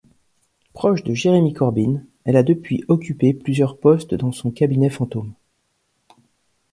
Proche de Jeremy Corbyn, elle a depuis occupé plusieurs postes dans son cabinet fantôme.